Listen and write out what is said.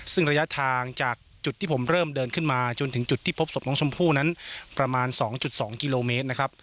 ซึ่งระยะทางจากจุดที่ผมเริ่มเดินขึ้นมาจนถึงจุดที่พบศพน้องชมพู่นั้นประมาณ๒๒กิโลเมตรนะครับ